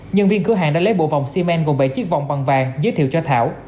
nhân viên cửa hàng đã lấy bộ vòng xi men gồm bảy chiếc vòng bằng vàng giới thiệu cho thảo